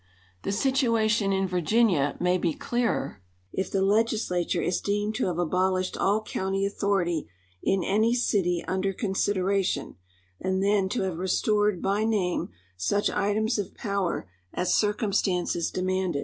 The situation in Virginia may be clearer if the legislature is deemed to have abolished all county authority in any city under consideration, and then to have I'estored by name such items of power as circumstances demanded.